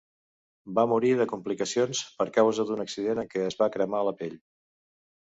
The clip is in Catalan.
Va morir de complicacions per causa d'un accident en què es va cremar la pell.